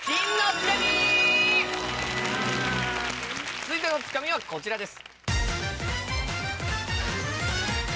続いてのツカミはこちらです。